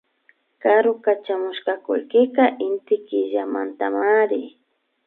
Karu kachamushka kullkika Inti killamantamari